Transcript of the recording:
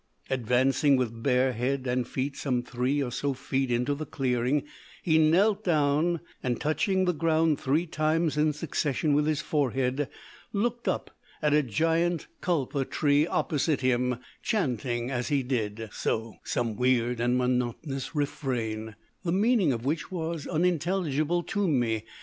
"Advancing with bare head and feet some three or so feet into the clearing, he knelt down, and, touching the ground three times in succession with his forehead, looked up at a giant kulpa tree opposite him, chanting as he did so some weird and monotonous refrain, the meaning of which was unintelligible to me.